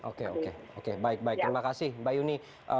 oke oke baik baik terima kasih mbak yuni